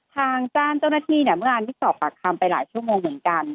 ทางด้านเจ้าหน้าที่เนี่ยเมื่อวานที่สอบปากคำไปหลายชั่วโมงเหมือนกัน